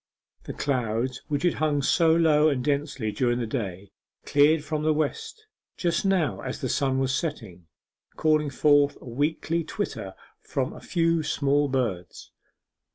The clouds which had hung so low and densely during the day cleared from the west just now as the sun was setting, calling forth a weakly twitter from a few small birds.